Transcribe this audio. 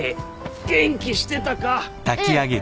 元気してたか？